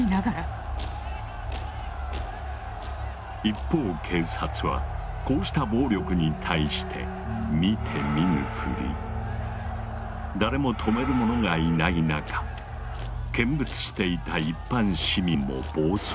一方警察はこうした暴力に対して誰も止める者がいない中見物していた一般市民も暴走を始める。